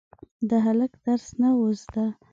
د هلک درس نه و زده.